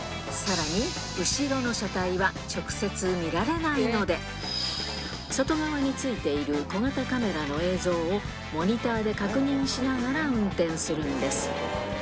さらに、後ろの車体は直接見られないので、外側に付いている小型カメラの映像を、モニターで確認しながら運転するんです。